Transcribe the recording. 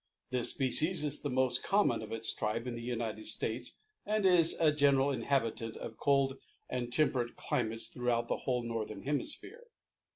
This species is the most common of its tribe in the United States and is a general inhabitant of cold and temperate climates throughout the whole northern hemisphere.